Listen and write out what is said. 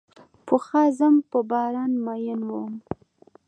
پخوا زه هم په باران مئین وم.